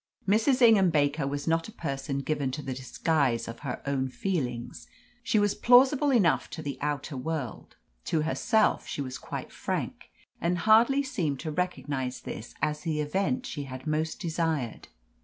Mrs. Ingham Baker was not a person given to the disguise of her own feelings. She was plausible enough to the outer world. To herself she was quite frank, and hardly seemed to recognise this as the event she had most desired.